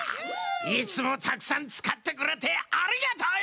いつもたくさんつかってくれてありがとうよ！